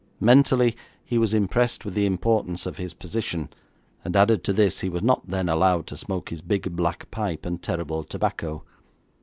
Mentally he was impressed with the importance of his position, and added to this he was not then allowed to smoke his big, black pipe and terrible tobacco.